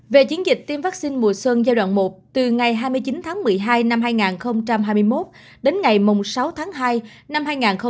về chiến dịch tiêm vaccine mùa xuân giai đoạn một từ ngày hai mươi chín tháng một mươi hai năm hai nghìn hai mươi một đến ngày sáu tháng hai năm hai nghìn hai mươi bốn